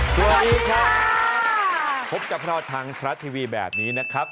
สวัสดีครับพบกับเราทางทรัฐทีวีแบบนี้นะครับ